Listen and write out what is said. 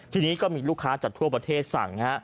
ทีนี้ก็มีลูกค้าจากทั่วประเทศสั่ง